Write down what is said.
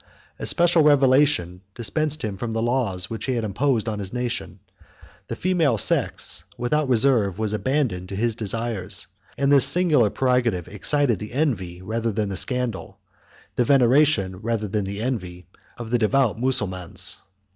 A special revelation dispensed him from the laws which he had imposed on his nation: the female sex, without reserve, was abandoned to his desires; and this singular prerogative excited the envy, rather than the scandal, the veneration, rather than the envy, of the devout Mussulmans.